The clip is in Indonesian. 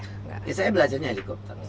ya saya belajarnya helikopter